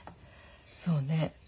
そうね。